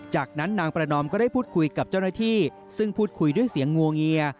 จากนั้นนางประนอมก็ได้พูดคุยกับเจ้าหน้าที่ซึ่งพูดคุยด้วยเสียงงวงเงีย